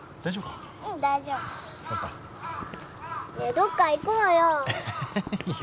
どっか行こうよいいよ